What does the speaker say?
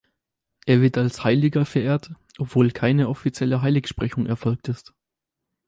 Er wird als Heiliger verehrt, obwohl keine offizielle Heiligsprechung erfolgt ist.